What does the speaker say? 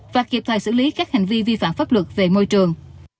và kịp thời xử lý các hành vi vi phạm pháp luật về môi trường